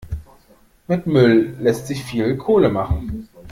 Mit Müll lässt sich viel Kohle machen.